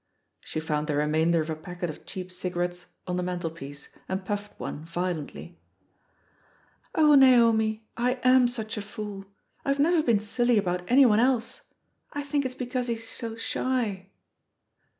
She found the remainder of a packet of cheap cigarettes on the mantelpiece, and puffed one violently. "Oh, Naomi, I am such a fool; I've never been silly about anyone else — I think it's because he's so shy."